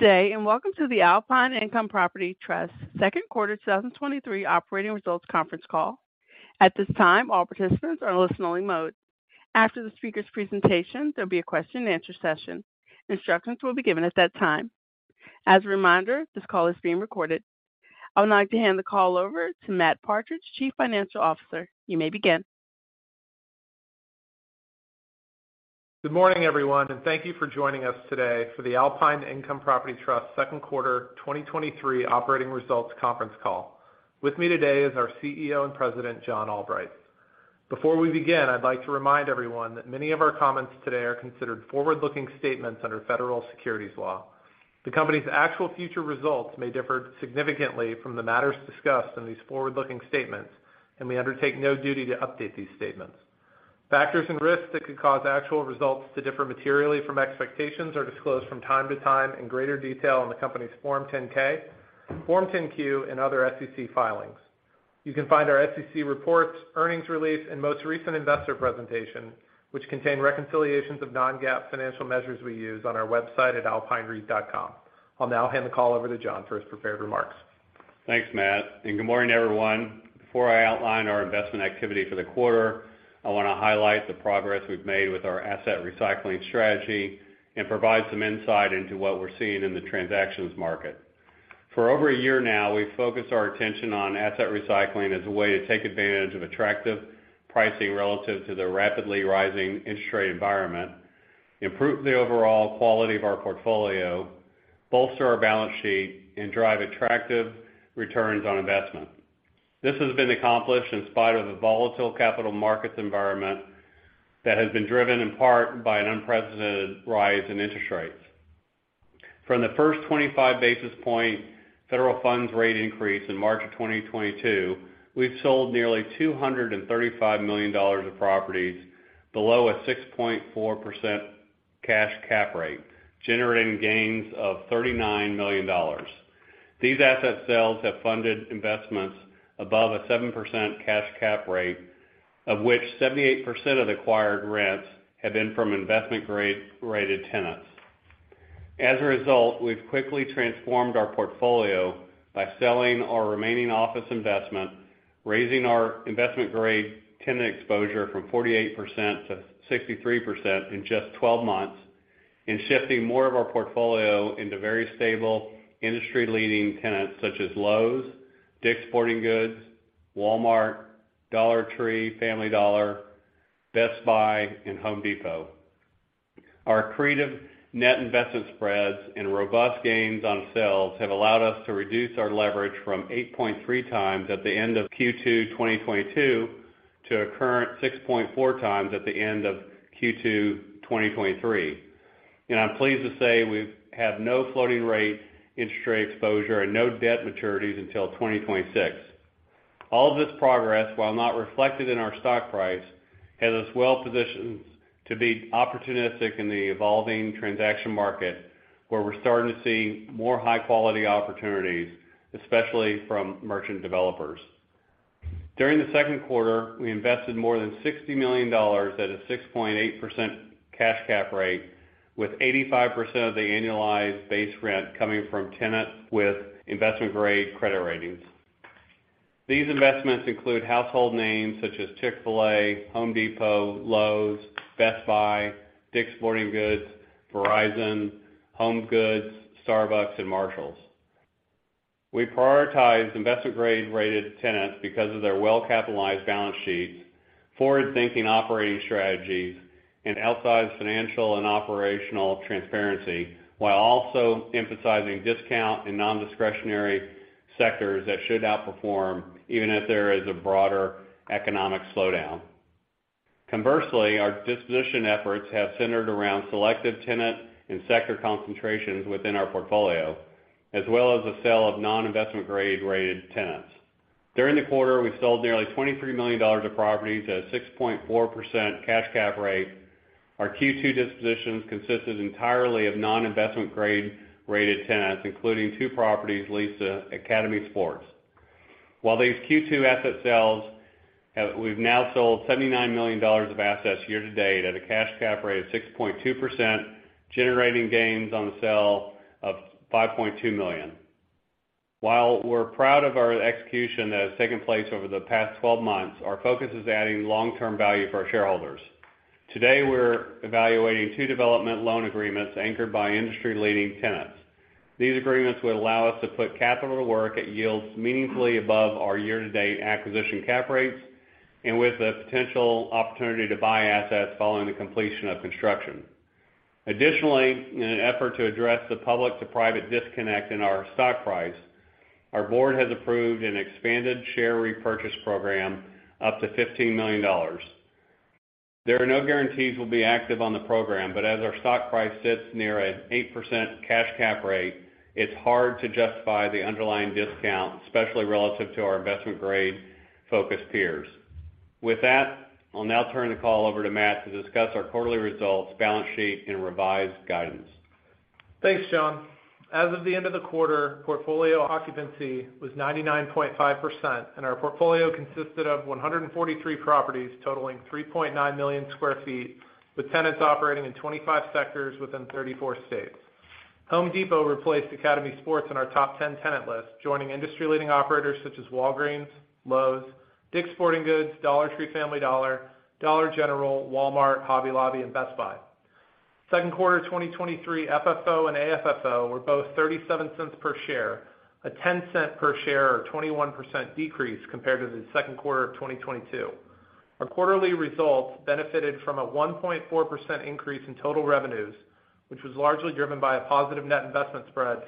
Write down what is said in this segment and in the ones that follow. Good day, and welcome to the Alpine Income Property Trust Second Quarter 2023 Operating Results Conference Call. At this time, all participants are in listen-only mode. After the speaker's presentation, there'll be a question-and-answer session. Instructions will be given at that time. As a reminder, this call is being recorded. I would like to hand the call over to Matt Partridge, Chief Financial Officer. You may begin. Good morning, everyone, and thank you for joining us today for the Alpine Income Property Trust second quarter 2023 operating results conference call. With me today is our CEO and President, John Albright. Before we begin, I'd like to remind everyone that many of our comments today are considered forward-looking statements under federal securities law. The company's actual future results may differ significantly from the matters discussed in these forward-looking statements, and we undertake no duty to update these statements. Factors and risks that could cause actual results to differ materially from expectations are disclosed from time to time in greater detail in the company's Form 10-K, Form 10-Q, and other SEC filings. You can find our SEC reports, earnings release, and most recent investor presentation, which contain reconciliations of non-GAAP financial measures we use on our website at alpinereit.com. I'll now hand the call over to John for his prepared remarks. Thanks, Matt, and good morning, everyone. Before I outline our investment activity for the quarter, I want to highlight the progress we've made with our asset recycling strategy and provide some insight into what we're seeing in the transactions market. For over a year now, we've focused our attention on asset recycling as a way to take advantage of attractive pricing relative to the rapidly rising interest rate environment, improve the overall quality of our portfolio, bolster our balance sheet, and drive attractive returns on investment. This has been accomplished in spite of the volatile capital markets environment that has been driven in part by an unprecedented rise in interest rates. From the first 25 basis point federal funds rate increase in March of 2022, we've sold nearly $235 million of properties below a 6.4% cash cap rate, generating gains of $39 million. These asset sales have funded investments above a 7% cash cap rate, of which 78% of the acquired rents have been from investment grade-rated tenants. As a result, we've quickly transformed our portfolio by selling our remaining office investment, raising our investment grade tenant exposure from 48%-63% in just 12 months, and shifting more of our portfolio into very stable, industry-leading tenants such as Lowe's, DICK'S Sporting Goods, Walmart, Dollar Tree, Family Dollar, Best Buy, and Home Depot. Our accretive net investment spreads and robust gains on sales have allowed us to reduce our leverage from 8.3x at the end of Q2 2022 to a current 6.4x at the end of Q2 2023. I'm pleased to say we've had no floating rate interest rate exposure and no debt maturities until 2026. All of this progress, while not reflected in our stock price, has us well positioned to be opportunistic in the evolving transaction market, where we're starting to see more high-quality opportunities, especially from merchant developers. During the second quarter, we invested more than $60 million at a 6.8% cash cap rate, with 85% of the annualized base rent coming from tenants with investment-grade credit ratings. These investments include household names such as Chick-fil-A, Home Depot, Lowe's, Best Buy, DICK'S Sporting Goods, Verizon, HomeGoods, Starbucks, and Marshalls. We prioritize investment grade-rated tenants because of their well-capitalized balance sheets, forward-thinking operating strategies, and outsized financial and operational transparency, while also emphasizing discount and non-discretionary sectors that should outperform, even if there is a broader economic slowdown. Conversely, our disposition efforts have centered around selective tenant and sector concentrations within our portfolio, as well as the sale of non-investment grade-rated tenants. During the quarter, we sold nearly $23 million of properties at a 6.4% cash cap rate. Our Q2 dispositions consisted entirely of non-investment grade-rated tenants, including two properties leased to Academy Sports. While these Q2 asset sales, we've now sold $79 million of assets year to date at a cash cap rate of 6.2%, generating gains on the sale of $5.2 million. We're proud of our execution that has taken place over the past 12 months, our focus is adding long-term value for our shareholders. Today, we're evaluating two development loan agreements anchored by industry-leading tenants. These agreements would allow us to put capital to work at yields meaningfully above our year-to-date acquisition cap rates and with a potential opportunity to buy assets following the completion of construction. In an effort to address the public to private disconnect in our stock price, our board has approved an expanded share repurchase program up to $15 million. There are no guarantees we'll be active on the program, but as our stock price sits near an 8% cash cap rate, it's hard to justify the underlying discount, especially relative to our investment grade-focused peers. With that, I'll now turn the call over to Matt to discuss our quarterly results, balance sheet, and revised guidance. Thanks, John. As of the end of the quarter, portfolio occupancy was 99.5%, and our portfolio consisted of 143 properties, totaling 3.9 million sq ft, with tenants operating in 25 sectors within 34 states. Home Depot replaced Academy Sports in our top 10 tenant list, joining industry-leading operators such as Walgreens, Lowe's, DICK'S Sporting Goods, Dollar Tree, Family Dollar, Dollar General, Walmart, Hobby Lobby, and Best Buy. Second quarter 2023 FFO and AFFO were both $0.37 per share, a $0.10 per share, or 21% decrease compared to the second quarter of 2022. Our quarterly results benefited from a 1.4% increase in total revenues, which was largely driven by a positive net investment spread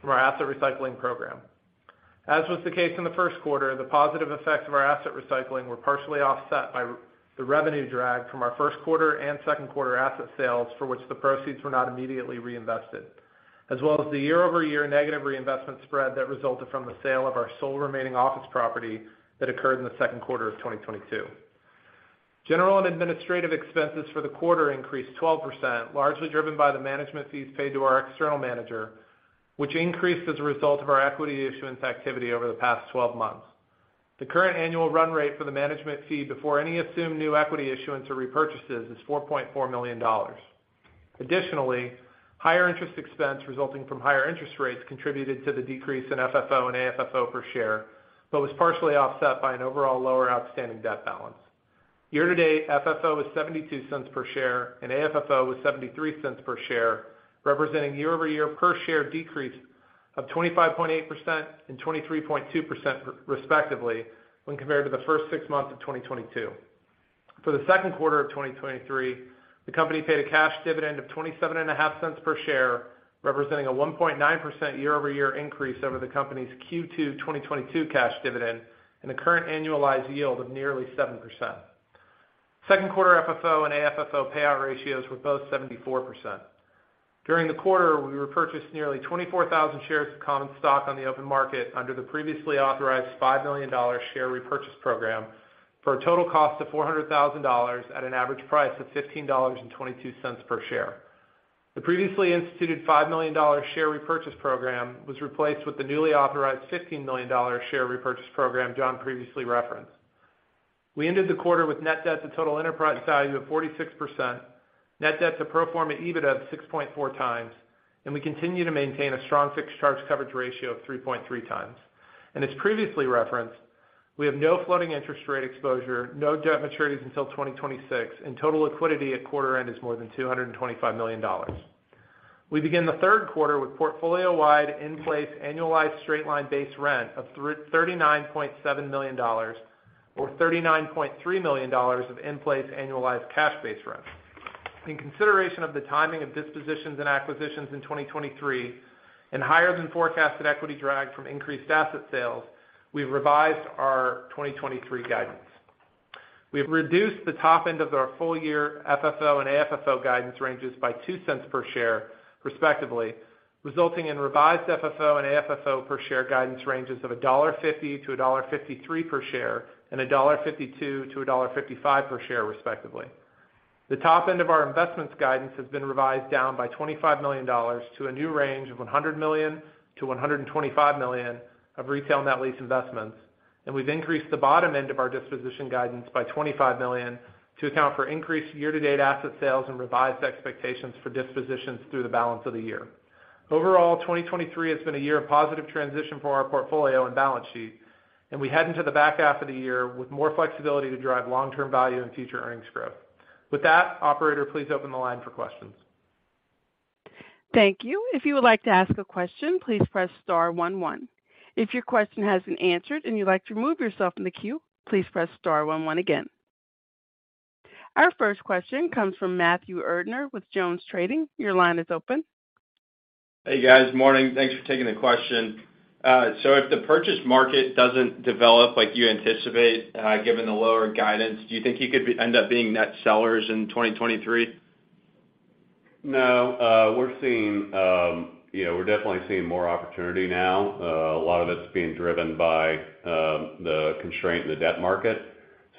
from our asset recycling program. As was the case in the first quarter, the positive effects of our asset recycling were partially offset by the revenue drag from our first quarter and second quarter asset sales, for which the proceeds were not immediately reinvested, as well as the year-over-year negative reinvestment spread that resulted from the sale of our sole remaining office property that occurred in the second quarter of 2022. General and administrative expenses for the quarter increased 12%, largely driven by the management fees paid to our external manager, which increased as a result of our equity issuance activity over the past 12 months. The current annual run rate for the management fee before any assumed new equity issuance or repurchases is $4.4 million. Higher interest expense resulting from higher interest rates contributed to the decrease in FFO and AFFO per share, but was partially offset by an overall lower outstanding debt balance. Year-to-date, FFO was $0.72 per share and AFFO was $0.73 per share, representing year-over-year per share decrease of 25.8% and 23.2%, respectively, when compared to the first six months of 2022. For the second quarter of 2023, the company paid a cash dividend of $0.275 per share, representing a 1.9% year-over-year increase over the company's Q2 2022 cash dividend and a current annualized yield of nearly 7%. Second quarter FFO and AFFO payout ratios were both 74%. During the quarter, we repurchased nearly 24,000 shares of common stock on the open market under the previously authorized $5 million share repurchase program, for a total cost of $400,000 at an average price of $15.22 per share. The previously instituted $5 million share repurchase program was replaced with the newly authorized $15 million share repurchase program John previously referenced. We ended the quarter with net debt to total enterprise value of 46%, net debt to pro forma EBITDA of 6.4x, and we continue to maintain a strong fixed charge coverage ratio of 3.3x. As previously referenced, we have no floating interest rate exposure, no debt maturities until 2026, and total liquidity at quarter end is more than $225 million. We begin the third quarter with portfolio-wide in-place annualized straight-line base rent of $39.7 million or $39.3 million of in-place annualized cash base rent. In consideration of the timing of dispositions and acquisitions in 2023, and higher than forecasted equity drag from increased asset sales, we've revised our 2023 guidance. We've reduced the top end of our full year FFO and AFFO guidance ranges by $0.02 per share, respectively, resulting in revised FFO and AFFO per share guidance ranges of $1.50-$1.53 per share, and $1.52-$1.55 per share, respectively. The top end of our investments guidance has been revised down by $25 million to a new range of $100 million-$125 million of retail net lease investments. We've increased the bottom end of our disposition guidance by $25 million to account for increased year-to-date asset sales and revised expectations for dispositions through the balance of the year. Overall, 2023 has been a year of positive transition for our portfolio and balance sheet. We head into the back half of the year with more flexibility to drive long-term value and future earnings growth. With that, operator, please open the line for questions. Thank you. If you would like to ask a question, please press star one one. If your question hasn't answered and you'd like to remove yourself from the queue, please press star one one again. Our first question comes from Matthew Erdner with Jones Trading. Your line is open. Hey, guys. Morning. Thanks for taking the question. If the purchase market doesn't develop like you anticipate, given the lower guidance, do you think you end up being net sellers in 2023? We're seeing, you know, we're definitely seeing more opportunity now. A lot of it's being driven by the constraint in the debt market.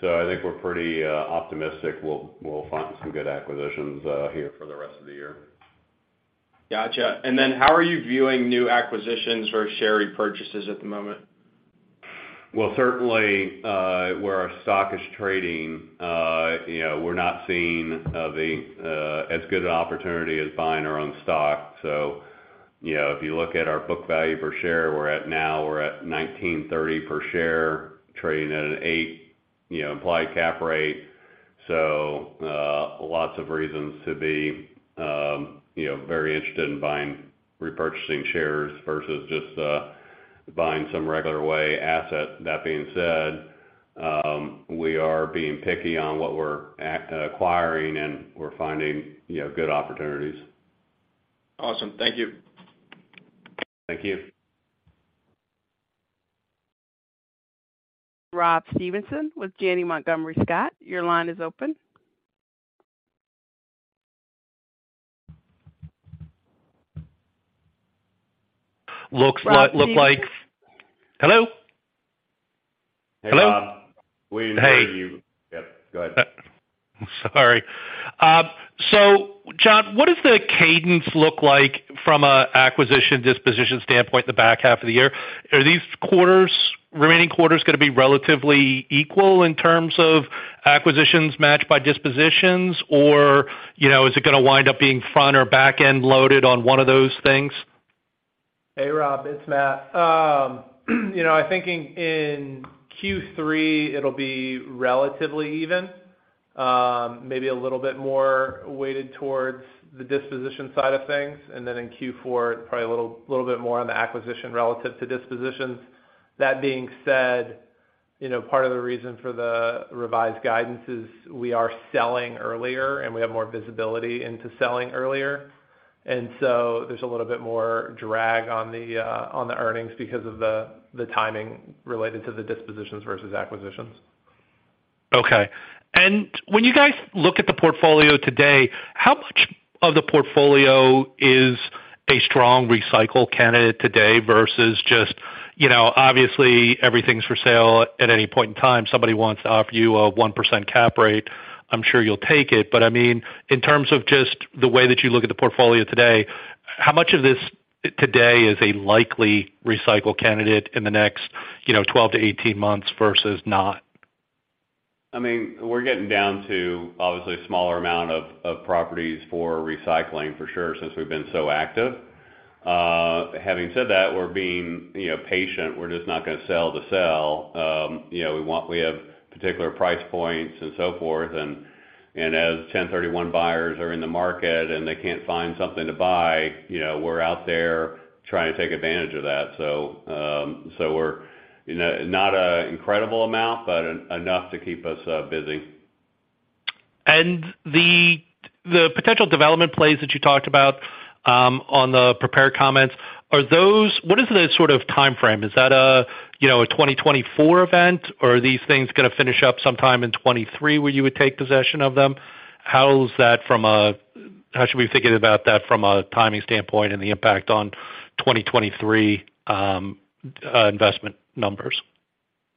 I think we're pretty optimistic we'll find some good acquisitions here for the rest of the year. Gotcha. How are you viewing new acquisitions or share repurchases at the moment? Well, certainly, where our stock is trading, you know, we're not seeing the as good an opportunity as buying our own stock. You know, if you look at our book value per share, we're at now, we're at $19.30 per share, trading at an 8%, you know, implied cap rate. Lots of reasons to be, you know, very interested in buying, repurchasing shares versus just buying some regular way asset. That being said, we are being picky on what we're acquiring, and we're finding, you know, good opportunities. Awesome. Thank you. Thank you. Rob Stevenson with Janney Montgomery Scott, your line is open. Looks like. Rob Ste- Hello? Hello. Hey, Rob. Hey- We can hear you. Yep, go ahead. Sorry. John, what does the cadence look like from a acquisition, disposition standpoint the back half of the year? Are these remaining quarters gonna be relatively equal in terms of acquisitions matched by dispositions? Or, you know, is it gonna wind up being front or back-end loaded on one of those things? Hey, Rob, it's Matt. you know, I think in Q3, it'll be relatively even, maybe a little bit more weighted towards the disposition side of things. In Q4, probably a little bit more on the acquisition relative to dispositions. That being said, you know, part of the reason for the revised guidance is we are selling earlier, and we have more visibility into selling earlier. There's a little bit more drag on the earnings because of the timing related to the dispositions versus acquisitions. Okay. When you guys look at the portfolio today, how much of the portfolio is a strong recycle candidate today versus just, you know, obviously, everything's for sale at any point in time. Somebody wants to offer you a 1% cap rate, I'm sure you'll take it. I mean, in terms of just the way that you look at the portfolio today, how much of this today is a likely recycle candidate in the next, you know, 12-18 months versus not? I mean, we're getting down to, obviously, a smaller amount of properties for recycling, for sure, since we've been so active. Having said that, we're being, you know, patient. We're just not going to sell to sell. You know, we have particular price points and so forth, and as 1031 buyers are in the market, and they can't find something to buy, you know, we're out there trying to take advantage of that. We're, you know, not an incredible amount, but enough to keep us busy. The potential development plays that you talked about on the prepared comments, what is the sort of timeframe? Is that a, you know, a 2024 event, or are these things going to finish up sometime in 2023, where you would take possession of them? How should we be thinking about that from a timing standpoint and the impact on 2023 investment numbers?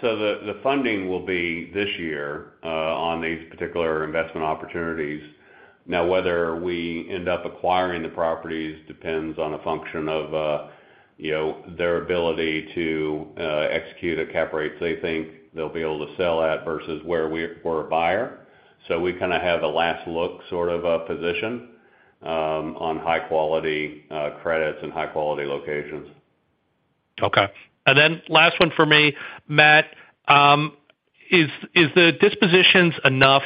The funding will be this year on these particular investment opportunities. Whether we end up acquiring the properties depends on a function of, you know, their ability to execute at cash cap rates they think they'll be able to sell at versus where we're a buyer. We kind of have a last-look sort of a position on high quality credits and high-quality locations. Okay. Last one for me, Matt, is the dispositions enough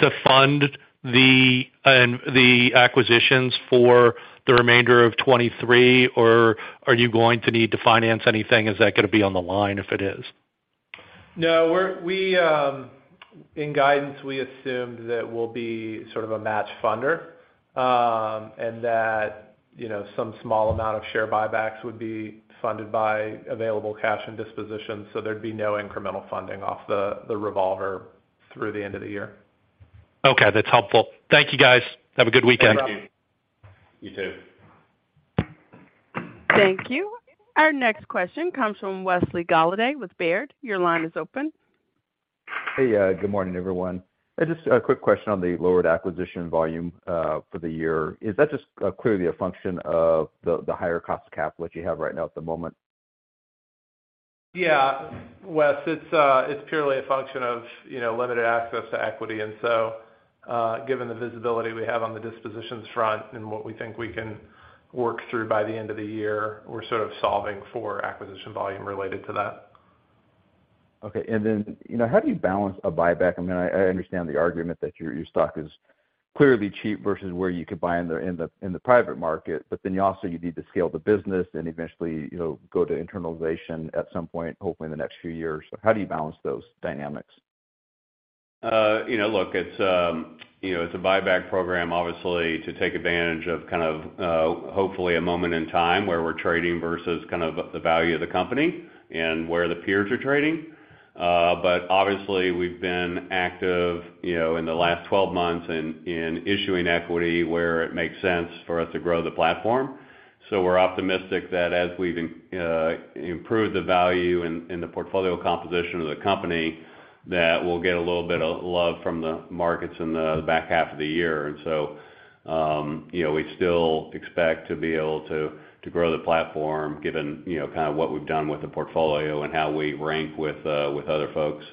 to fund the acquisitions for the remainder of 2023, or are you going to need to finance anything? Is that going to be on the line if it is? No, we, in guidance, we assumed that we'll be sort of a match funder, and that, you know, some small amount of share buybacks would be funded by available cash and disposition, so there'd be no incremental funding off the revolver through the end of the year. Okay, that's helpful. Thank you, guys. Have a good weekend. Thank you. You, too. Thank you. Our next question comes from Wesley Golladay with Baird. Your line is open. Hey, good morning, everyone. Just a quick question on the lowered acquisition volume, for the year. Is that just, clearly a function of the higher cost of capital that you have right now at the moment? Yeah, Wes, it's purely a function of, you know, limited access to equity. Given the visibility we have on the dispositions front and what we think we can work through by the end of the year, we're sort of solving for acquisition volume related to that. Okay. You know, how do you balance a buyback? I mean, I understand the argument that your stock is clearly cheap versus where you could buy in the private market. You also you need to scale the business and eventually, you know, go to internalization at some point, hopefully in the next few years. How do you balance those dynamics? you know, look, it's, you know, it's a buyback program, obviously, to take advantage of kind of, hopefully, a moment in time where we're trading versus kind of the value of the company and where the peers are trading. obviously, we've been active, you know, in the last 12 months in issuing equity where it makes sense for us to grow the platform. we're optimistic that as we've improved the value and the portfolio composition of the company, that we'll get a little bit of love from the markets in the back half of the year. you know, we still expect to be able to grow the platform, given, you know, kind of what we've done with the portfolio and how we rank with other folks.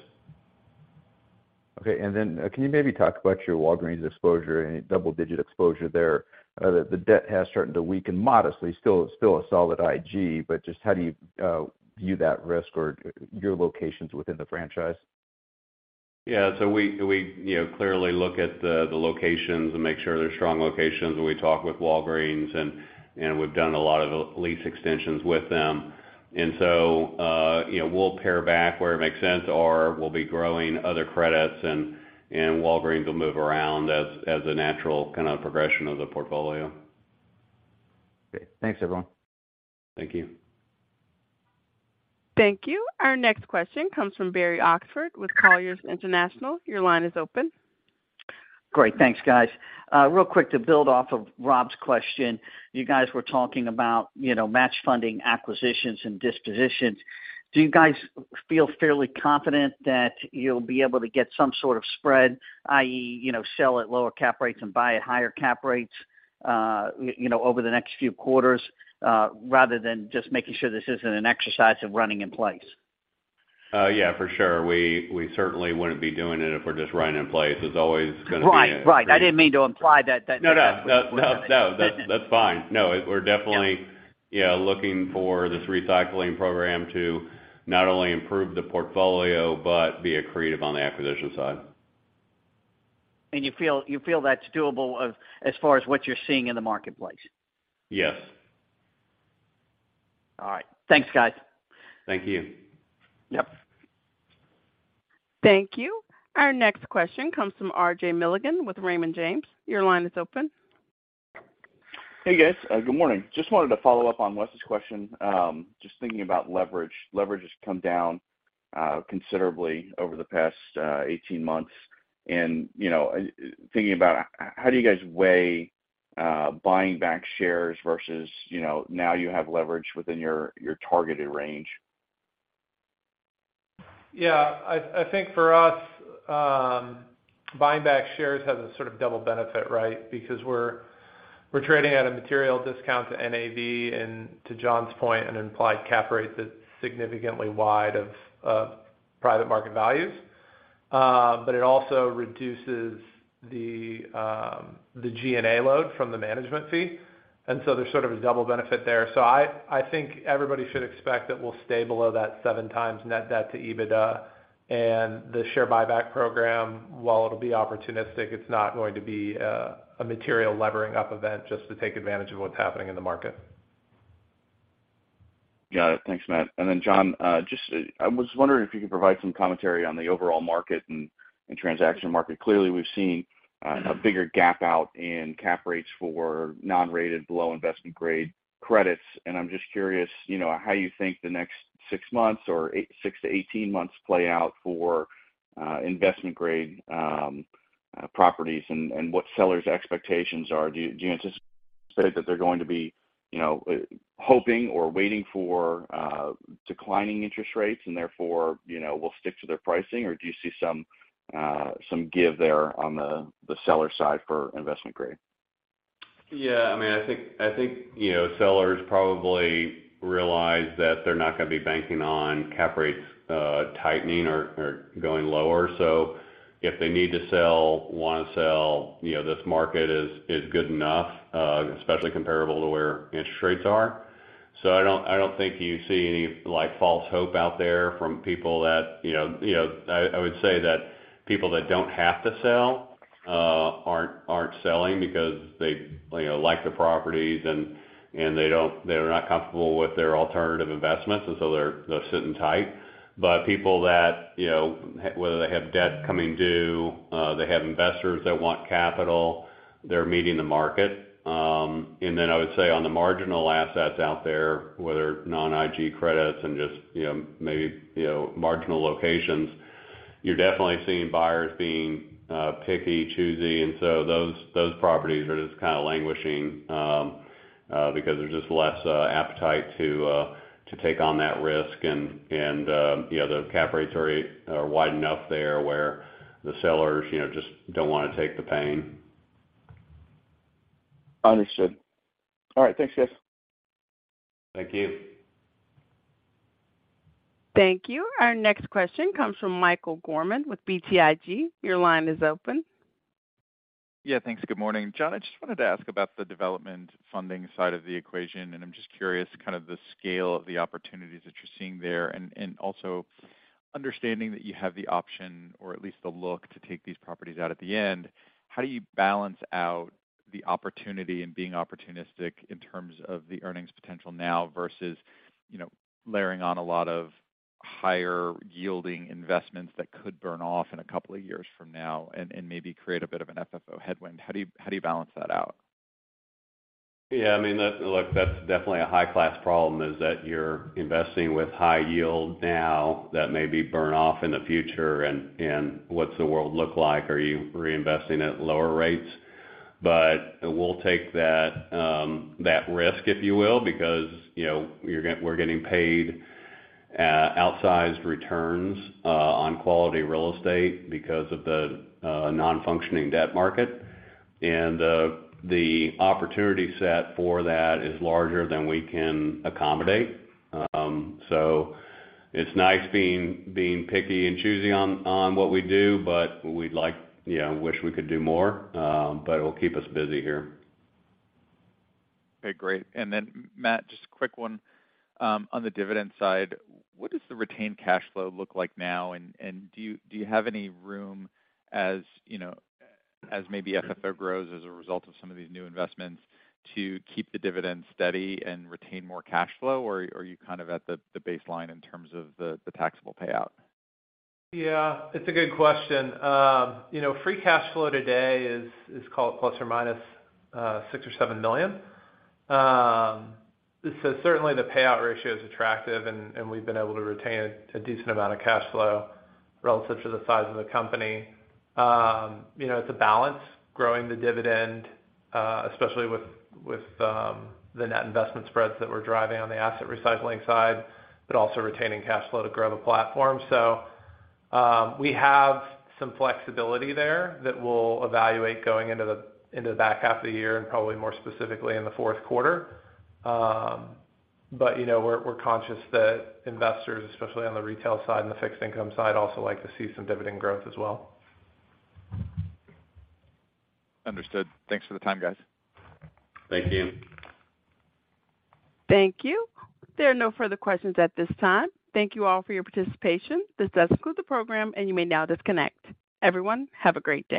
Okay. Can you maybe talk about your Walgreens exposure and double-digit exposure there? The debt has started to weaken modestly. Still a solid IG, but just how do you view that risk or your locations within the franchise? Yeah, we, you know, clearly look at the locations and make sure they're strong locations. We talk with Walgreens, and we've done a lot of lease extensions with them. You know, we'll pare back where it makes sense, or we'll be growing other credits, and Walgreens will move around as a natural kind of progression of the portfolio. Great. Thanks, everyone. Thank you. Thank you. Our next question comes from Barry Oxford with Colliers Securities. Your line is open. Great. Thanks, guys. real quick, to build off of Rob's question, you guys were talking about, you know, match funding, acquisitions and dispositions. Do you guys feel fairly confident that you'll be able to get some sort of spread, i.e., you know, sell at lower cap rates and buy at higher cap rates, you know, over the next few quarters, rather than just making sure this isn't an exercise of running in place? Yeah, for sure. We certainly wouldn't be doing it if we're just running in place. There's always. Right. Right. I didn't mean to imply that. No, no. No, no, that's fine. No, we're- Yeah... yeah, looking for this recycling program to not only improve the portfolio, but be accretive on the acquisition side. You feel that's doable as far as what you're seeing in the marketplace? Yes. All right. Thanks, guys. Thank you. Yep. Thank you. Our next question comes from RJ Milligan with Raymond James. Your line is open. Hey, guys. Good morning. Just wanted to follow up on Wes's question. Just thinking about leverage. Leverage has come down considerably over the past 18 months. You know, thinking about how do you guys weigh buying back shares versus, you know, now you have leverage within your targeted range? Yeah. I think for us, buying back shares has a sort of double benefit, right? Because we're trading at a material discount to NAV, and to John's point, an implied cap rate that's significantly wide of private market values. It also reduces the G&A load from the management fee, and so there's sort of a double benefit there. I think everybody should expect that we'll stay below that 7x net debt to EBITDA. The share buyback program, while it'll be opportunistic, it's not going to be a material levering up event just to take advantage of what's happening in the market. Got it. Thanks, Matt. Then, John, just, I was wondering if you could provide some commentary on the overall market and transaction market. Clearly, we've seen a bigger gap out in cap rates for non-rated below investment grade credits. I'm just curious, you know, how you think the next 6-18 months play out for investment grade properties and what sellers' expectations are. Do you anticipate that they're going to be, you know, hoping or waiting for declining interest rates and therefore, you know, will stick to their pricing? Do you see some give there on the seller side for investment grade? Yeah, I mean, I think, you know, sellers probably realize that they're not gonna be banking on cap rates, tightening or going lower. If they need to sell, wanna sell, you know, this market is good enough, especially comparable to where interest rates are. I don't, I don't think you see any, like, false hope out there from people that. You know, I would say that people that don't have to sell, aren't selling because they, you know, like the properties, and they're not comfortable with their alternative investments, and so they're sitting tight. People that, you know, whether they have debt coming due, they have investors that want capital, they're meeting the market. Then I would say, on the marginal assets out there, whether non-IG credits and just, you know, maybe, you know, marginal locations, you're definitely seeing buyers being picky, choosy, and so those properties are just kind of languishing because there's just less appetite to take on that risk. You know, the cap rates are wide enough there, where the sellers, you know, just don't wanna take the pain. Understood. All right, thanks, guys. Thank you. Thank you. Our next question comes from Michael Gorman with BTIG. Your line is open. Yeah, thanks. Good morning. John, I just wanted to ask about the development funding side of the equation, and I'm just curious, kind of the scale of the opportunities that you're seeing there. Also, understanding that you have the option or at least the look to take these properties out at the end, how do you balance out the opportunity and being opportunistic in terms of the earnings potential now versus, you know, layering on a lot of higher-yielding investments that could burn off in a couple of years from now and maybe create a bit of an FFO headwind? How do you balance that out? Yeah, I mean, look, that's definitely a high-class problem, is that you're investing with high yield now that may be burn off in the future, and what's the world look like? Are you reinvesting at lower rates? We'll take that risk, if you will, because, you know, we're getting paid outsized returns on quality real estate because of the non-functioning debt market. The opportunity set for that is larger than we can accommodate. It's nice being picky and choosy on what we do, we'd like, yeah, wish we could do more, it'll keep us busy here. Okay, great. Matt, just a quick one. on the dividend side, what does the retained cash flow look like now? do you have any room, as, you know, as maybe FFO grows as a result of some of these new investments, to keep the dividend steady and retain more cash flow? Or are you kind of at the baseline in terms of the taxable payout? Yeah, it's a good question. you know, free cash flow today is called plus or minus $6 million-$7 million. Certainly the payout ratio is attractive, and we've been able to retain a decent amount of cash flow relative to the size of the company. you know, it's a balance, growing the dividend, especially with the net investment spreads that we're driving on the asset recycling side, but also retaining cash flow to grow the platform. We have some flexibility there that we'll evaluate going into the back half of the year and probably more specifically in the fourth quarter. you know, we're conscious that investors, especially on the retail side and the fixed income side, also like to see some dividend growth as well. Understood. Thanks for the time, guys. Thank you. Thank you. There are no further questions at this time. Thank you all for your participation. This does conclude the program, and you may now disconnect. Everyone, have a great day.